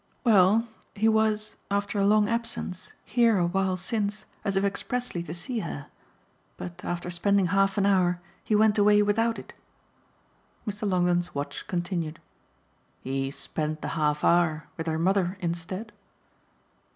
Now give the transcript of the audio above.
"Well, he was, after a long absence, here a while since as if expressly to see her. But after spending half an hour he went away without it." Mr. Longdon's watch continued. "He spent the half hour with her mother instead?"